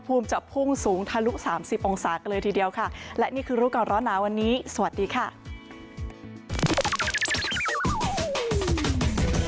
อืม